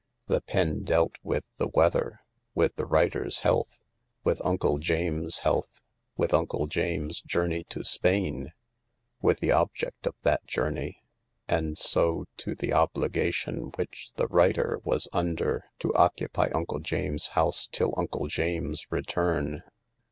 The pen dealt with the weather, with the writer's health, with Uncle James's health, with Uncle James's journey to Spain, with the object of that journey ; and so to the obligation which the writer was under to occupy Uncle James's house till Uncle James's return.